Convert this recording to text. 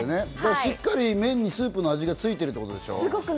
しっかり麺にスープの味がついてるってことでしょ？